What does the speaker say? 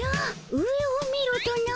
上を見ろとな？